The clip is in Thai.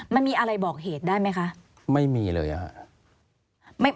มันมีอะไรบอกเหตุได้ไหมคะไม่มีเลยอะค่ะ